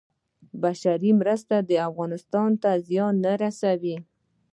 بشري مرستې اقتصاد ته زیان نه رسوي.